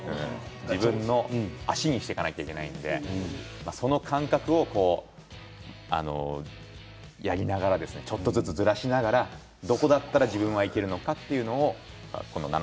自分の足にしていかなければいけないので、その感覚をやりながらちょっとずつずらしながらどこだったら自分がいけるのかということを。